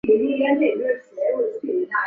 在文保二年即位。